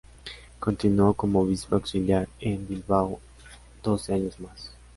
Continuó como obispo auxiliar de Bilbao doce años más.